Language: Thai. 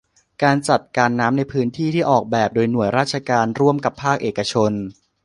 การจัดการน้ำในพื้นที่ ที่ออกแบบโดยหน่วยราชการ ร่วมกับภาคเอกชน